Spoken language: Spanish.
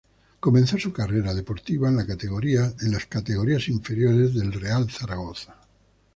Comenzó su carrera deportiva en las categorías inferiores del Real Zaragoza.